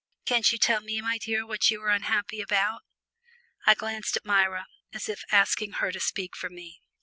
"Can't you tell me, my dear, what you are unhappy about?" I glanced at Myra, as if asking her to speak for me.